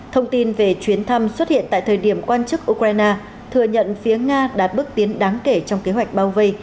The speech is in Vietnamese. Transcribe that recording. thông tin về chuyến thăm xuất hiện tại thời điểm quan chức ukraine thừa nhận phía nga đạt bước tiến đáng kể trong kế hoạch bao vây